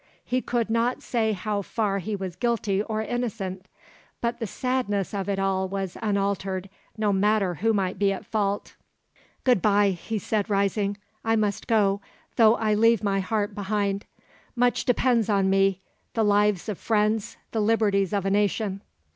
He could not say how far he was guilty or innocent; but the sadness of it all was unaltered, no matter who might be at fault. "Good bye," he said rising. "I must go, though I leave my heart behind. Much depends on me, the lives of friends, the liberties of a nation."